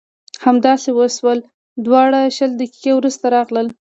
همداسې وشول دواړه شل دقیقې وروسته راغلل.